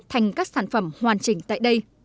thành các sản phẩm hoàn chỉnh tại đây